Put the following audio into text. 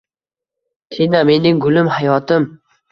Tina! Mening gulim! Hayotim.